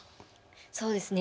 そうですね